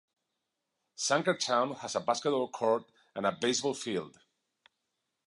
Sankertown has a basketball court, and a baseball field.